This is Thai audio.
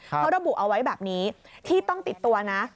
เขาระบุเอาไว้แบบนี้ที่ต้องติดตัวนะ